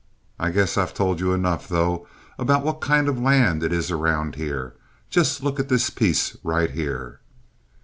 I guess I've told you enough, though, about what kind of land it is around here. Just look at this piece right here."